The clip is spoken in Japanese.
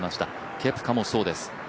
ケプカもそうです。